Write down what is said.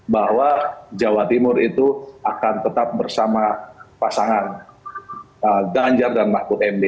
bahwa jawa timur itu akan tetap bersama pasangan ganjar dan mahfud md